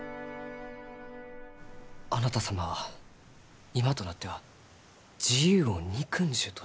あなた様は今となっては自由を憎んじゅうとおっしゃいました。